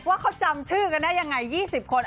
ว่าเขาจำชื่อกันได้ยังไง๒๐คน